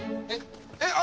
えっ？